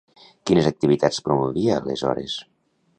Quines activitats promovia aleshores?